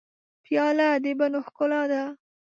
پیاله د بڼو ښکلا ده.